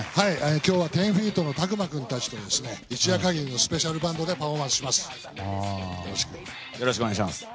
今日は１０‐ＦＥＥＴのＴＡＫＵＭＡ君たちと一夜限りのスペシャルパフォーマンスします。